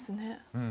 うん。